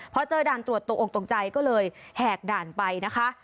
พอเจอด่านตรวจตกออกตกใจก็เลยแหกด่านไปนะคะ